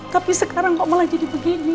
tapi sekarang kok malah jadi begini